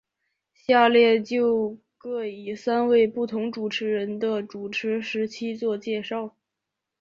下列就各以三位不同主持人的主持时期做介绍。